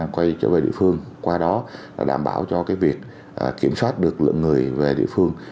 quay trở về địa phương qua đó đảm bảo cho việc kiểm soát được lượng người về địa phương